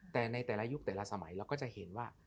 แต่ในแต่ละยุคแต่ละสมัยเราก็จะเห็นว่า